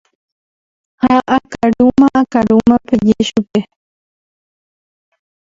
ha akarúma akarúma peje chupe.